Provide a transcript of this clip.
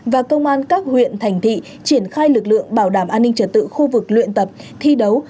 và công an các huyện thành thị triển khai lực lượng bảo đảm an ninh trật tự khu vực luyện tập thi đấu